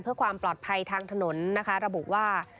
เพื่อความปลอดภัยทางถนนนะคะระบุว่า